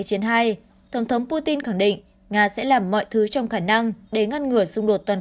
tổng thống putin khẳng định nga sẽ làm mọi thứ trong khả năng để ngăn ngừa xung đột toàn